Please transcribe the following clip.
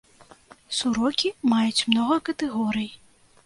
Сурокі маюць многа катэгорый.